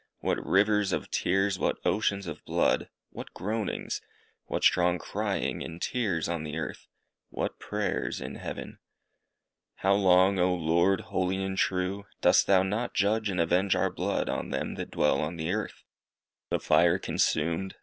what rivers of tears! what oceans of blood! what groanings! what strong crying and tears on the earth! what prayers in heaven! "How long, O Lord, holy and true, dost thou not judge and avenge our blood, on them that dwell on the earth?" The fire consumed.